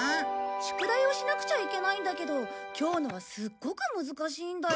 宿題をしなくちゃいけないんだけど今日のはすっごく難しいんだよ。